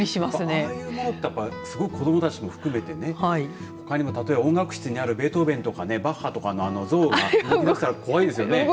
ああいうものって子どもたちも含めて、ほかにも例えば音楽室にあるベートーヴェンとかバッハとかの像が動き出したら怖いですよね。